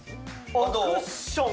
あっクッション